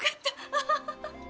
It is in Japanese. アハハハ。